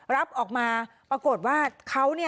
รับออกมาปรากฏว่าเขา